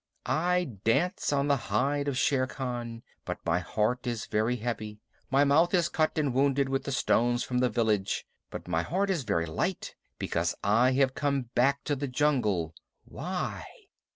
I dance on the hide of Shere Khan, but my heart is very heavy. My mouth is cut and wounded with the stones from the village, but my heart is very light, because I have come back to the jungle. Why?